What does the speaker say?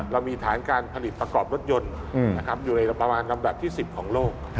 เรามีฐานการผลิตประกอบรถยนต์อยู่ในประมาณลำดับที่๑๐ของโลก